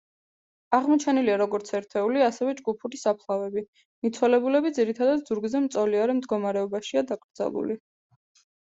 აღმოჩენილია როგორც ერთეული ასევე ჯგუფური საფლავები, მიცვალებულები ძირითადად ზურგზე მწოლიარე მდგომარეობაშია დაკრძალული.